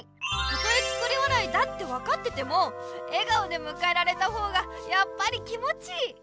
たとえ作り笑いだって分かってても笑顔でむかえられた方がやっぱり気もちいい。